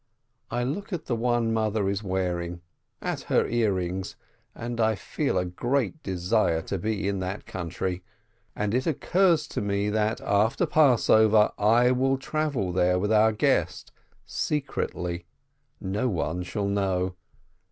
I look at the one mother is wearing, at her ear rings, and I feel a great desire to be in that country. And it occurs to me, that after Passover I will travel there with our guest, secretly, no one shall know.